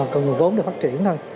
cần nguồn vốn để phát triển thôi